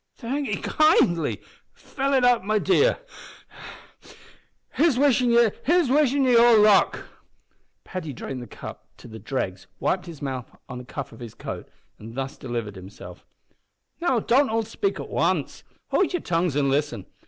"Thank 'ee kindly fill it up my dear. Here's wishin' ye all luck!" Paddy drained the cup to the dregs, wiped his mouth on the cuff of his coat, and thus delivered himself "Now, don't all spake at wance. Howld yer tongues an' listen.